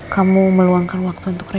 kamu meluangkan waktu untuk